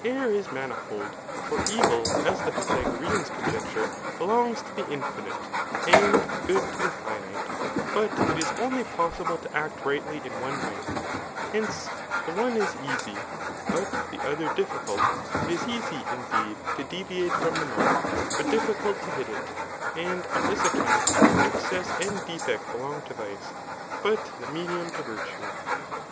err 13 maaifokl ; iar ev3, as tbe P^phagoreaos oonj^ur^ beksi^ to the infinite/ and good ip the finite ; but it is only possible to act rightly IP ode V»y« H^ice, the. one is.easy, but tiie dther diffiy ftilt; it.is easy, indeed, to deviate from, the mark, bufi dJ0icult to hit it ; and on this accpmit^iexcess and defeot I^OOg to vice, but the medium.to virtue.